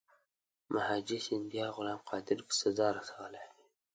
مهاجي سیندیا غلام قادر په سزا رسولی دی.